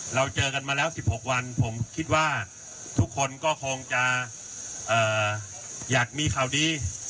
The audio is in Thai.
เราเจอกันมาแล้ว๑๖วันผมคิดว่าทุกคนก็คงจะอยากมีข่าวดี